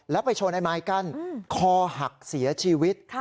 แล้วไปชนไอ้ไม้กั้นคอหักเสียชีวิต